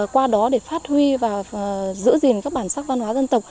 qua đó để phát huy và giữ gìn các bản sắc văn hóa dân tộc